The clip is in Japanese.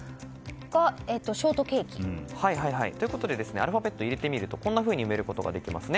ショートケーキ。ということでアルファベットを入れてみるとこう埋めることができますね。